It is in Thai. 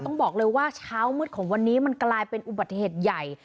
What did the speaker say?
ต้องบอกเลยว่าเช้ามืดของวันนี้มันกลายเป็นอุบัติเหตุใหญ่